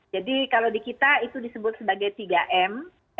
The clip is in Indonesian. jadi kalau di kita itu disebut sebagai tiga m